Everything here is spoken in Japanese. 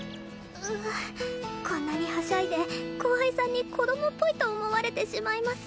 ううこんなにはしゃいで後輩さんに子供っぽいと思われてしまいます